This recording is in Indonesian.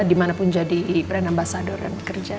dimanapun jadi brand ambasador dan bekerja ya